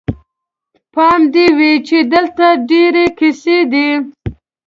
پام دې وي چې دلته ډېرې کیسې دي.